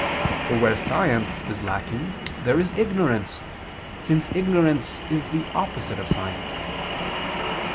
For where science is lacking there is ignorance, since ignorance is the opposite of science.